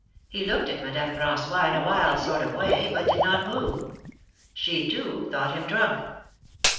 He looked at Madame rran9ois in a wild sort of way, but did not move. She, too, thought him drunk.